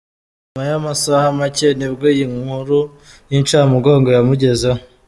Nyuma y’amasaha make nibwo iyi nkuru y’incamugongo yamugezeho.